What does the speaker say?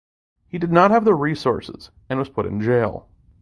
He did not have the resources and was put in jail.